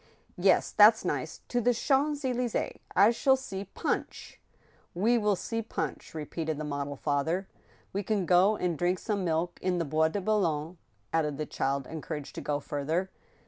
"Yes, that's nice. To the Champs Elys^es ! I shall see Punch!" *' We will see Punch," repeated the model father. " We can go and drink some milk in the Bois de Boulogne," added the child, encouraged to go further.